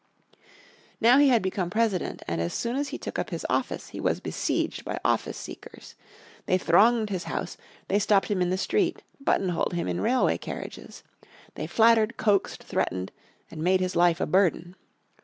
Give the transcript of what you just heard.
Now he had become President, and as soon as he took up his office he was besieged by office seekers. They thronged his house, they stopped him in the street, button holed him in railway carriages. They flattered, coaxed, threatened, and made his life a burden.